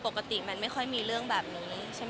เพราะว่าปกติมันไม่ค่อยมีเรื่องแบบนู้นใช่มั้ยคะ